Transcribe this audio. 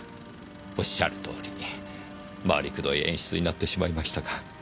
おっしゃるとおり回りくどい演出になってしまいましたが。